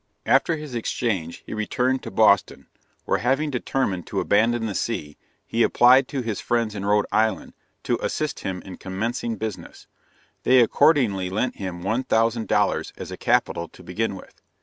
After his exchange, he returned to Boston, where having determined to abandon the sea, he applied to his friends in Rhode Island, to assist him in commencing business; they accordingly lent him one thousand dollars as a capital to begin with.